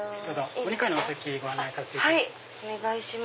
お２階のお席ご案内させていただきます。